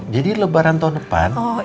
jadi lebaran tahun depan